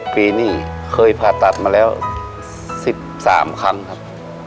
ปีนี้เคยผ่าตัดมาแล้ว๑๓ครั้งครับ